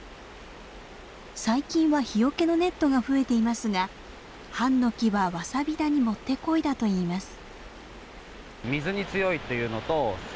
最近は日よけのネットが増えていますがハンノキはワサビ田に持ってこいだといいます。